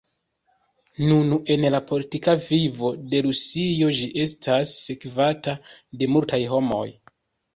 Nun en la politika vivo de Rusio ĝi estas sekvata de multaj homoj.